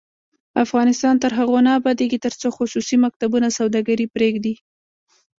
افغانستان تر هغو نه ابادیږي، ترڅو خصوصي مکتبونه سوداګري پریږدي.